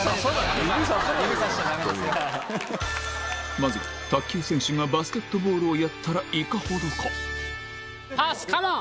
まずは卓球選手がバスケットボールをやったらいかほどかパスカモン！